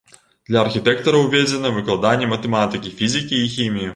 Для архітэктараў уведзена выкладанне матэматыкі, фізікі і хіміі.